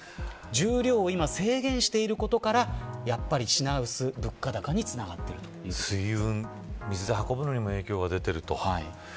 重量を制限していることからやっぱり品薄、物価高に水で運ぶのにも影響が出ていると。